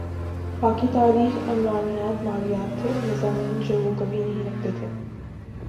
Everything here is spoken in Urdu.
باقی تاریخ عمرانیات مالیات تھے مضامین جو وہ کبھی نہیں رکھتے تھے